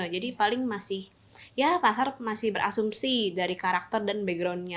jadi paling masih ya pasar masih berasumsi dari karakter dan backgroundnya